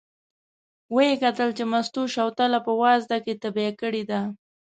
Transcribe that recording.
و یې کتل چې مستو شوتله په وازده کې تبی کړې ده.